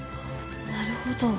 なるほど。